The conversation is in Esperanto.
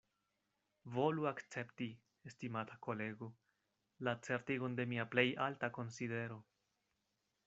Volu akcepti, estimata kolego, la certigon de mia plej alta konsidero.